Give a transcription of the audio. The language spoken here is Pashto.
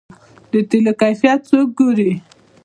د تیلو کیفیت څوک ګوري؟